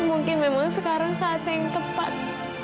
mungkin memang sekarang saat yang tepat